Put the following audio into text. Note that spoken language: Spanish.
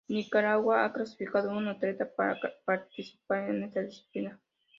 Nicaragua ha clasificado un atleta para participar en esta disciplina.